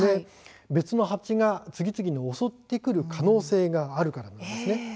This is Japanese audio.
別の蜂が次々と襲ってくる可能性があるからなんです。